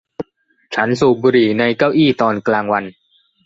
ฉันสูบบุหรี่ในเก้าอี้ตอนกลางวัน